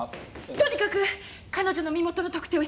とにかく彼女の身元の特定を急ぎましょう。